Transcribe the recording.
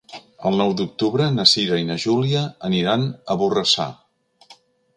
El nou d'octubre na Cira i na Júlia aniran a Borrassà.